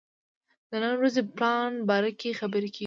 د نن ورځې پلان باره کې خبرې کېږي.